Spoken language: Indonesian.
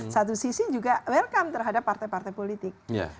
satu sisi juga welcome terhadap partai partai politik